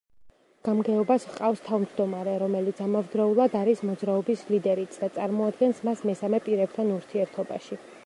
გამგეობას ჰყავს თავმჯდომარე, რომელიც ამავდროულად არის მოძრაობის ლიდერიც და წარმოადგენს მას მესამე პირებთან ურთიერთობაში.